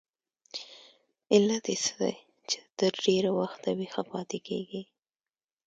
علت یې څه دی چې تر ډېره وخته ویښه پاتې کیږي؟